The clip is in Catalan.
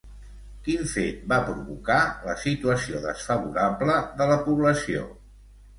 Quin fet va provocar la situació desfavorable de la població?